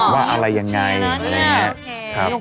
ว่าอะไรยังไงอะไรอย่างนี้ครับ